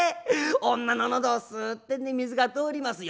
女の喉をスッてね水が通りますよ。